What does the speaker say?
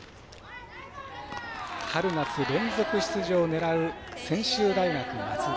春夏連続出場を狙う専修大松戸。